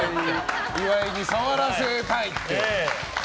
岩井に触らせたいって。